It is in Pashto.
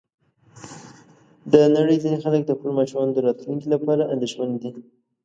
د نړۍ ځینې خلک د خپلو ماشومانو د راتلونکي لپاره اندېښمن دي.